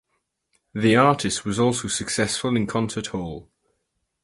The artist was also successful in concert hall.